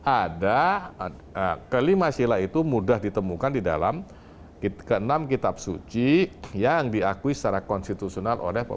ada kelima sila itu mudah ditemukan di dalam keenam kitab suci yang diakui secara konstitusional oleh pemerintah